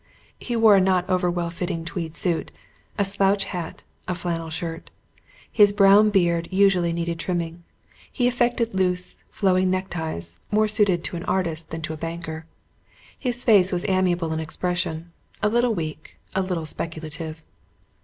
He wore a not over well fitting tweed suit, a slouch hat, a flannel shirt. His brown beard usually needed trimming; he affected loose, flowing neckties, more suited to an artist than to a banker. His face was amiable in expression, a little weak, a little speculative.